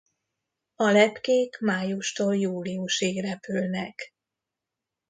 A lepkék májustól júliusig repülnek.